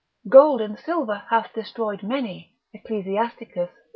Gold and silver hath destroyed many, Ecclus.